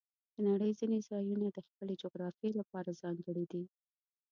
د نړۍ ځینې ځایونه د خپلې جغرافیې لپاره ځانګړي دي.